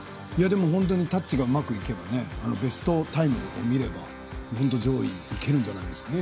本当にタッチがうまくいけばベストタイムを見れば本当、上位にいけるんじゃないですかね。